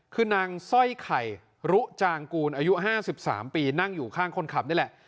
คือนางสร้อยไข่รุจางกูลอายุ๕๓ปีนั่งอยู่ข้างคนขับนี่แหละ